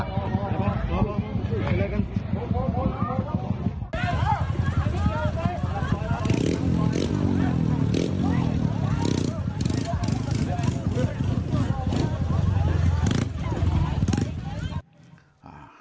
ไปเรื่อยกัน